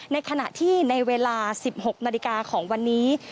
ในขณะที่ในเวลา๑๖นาฬิกาของวันนี้